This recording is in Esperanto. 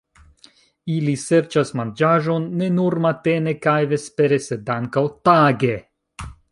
Ili serĉas manĝaĵon ne nur matene kaj vespere, sed ankaŭ tage.